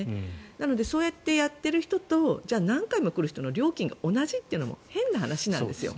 なのでそうやってやってる人と何回も来る人の料金が同じというのも変な話なんですよ。